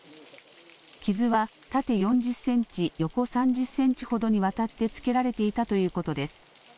傷は縦４０センチ、横３０センチほどにわたってつけられていたということです。